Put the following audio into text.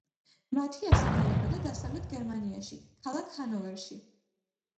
მათიასი დაიბადა დასავლეთ გერმანიაში, ქალაქ ჰანოვერში.